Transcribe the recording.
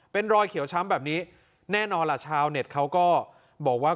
เป็นรอยเขียวช้ำแบบนี้แน่นอนล่ะชาวเน็ตเขาก็บอกว่า